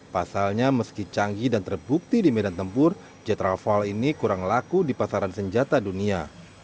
pasalnya meski canggih dan terbukti di medan tempur jet rafale ini kurang laku di pasaran senjata dunia